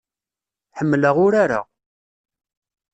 Ḥemmleɣ urar-a.